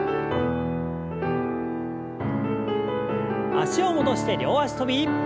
脚を戻して両脚跳び。